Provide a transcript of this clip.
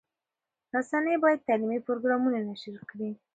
رسنۍ باید تعلیمي پروګرامونه نشر کړي.